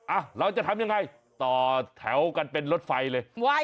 อ่ะเราจะทำยังไงต่อแถวกันเป็นรถไฟเลย